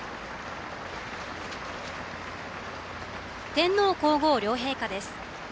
天皇皇后両陛下です。